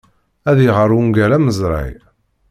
Ad iɣer ungal amezray.